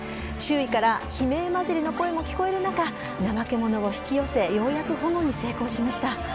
周囲から悲鳴交じりの声も聞こえる中、ナマケモノを引き寄せ、ようやく保護に成功しました。